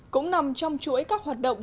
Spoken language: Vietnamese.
cũng nằm trong chuỗi các hoạt động